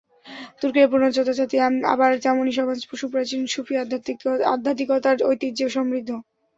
তুর্কিরা পুরোনো যোদ্ধা জাতি, আবার তেমনি সমাজ সুপ্রাচীন সুফি আধ্যাত্মিকতার ঐতিহ্যে সমৃদ্ধ।